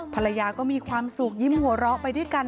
ภรรยาก็มีความสุขยิ้มหัวเราะไปด้วยกัน